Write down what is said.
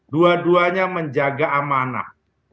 dua duanya menjaga amanah